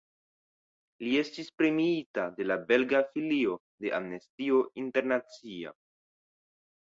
Li estis premiita de la belga filio de Amnestio Internacia.